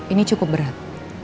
ini cukup berat